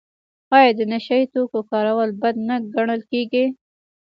آیا د نشه یي توکو کارول بد نه ګڼل کیږي؟